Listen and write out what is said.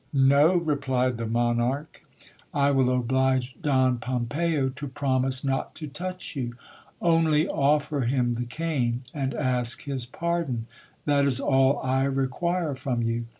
No, replied the monarch, I will oblige Don Pompeyo to promise not to touch you. Only offer him the cane, and ask his pardon : that is all I require from you.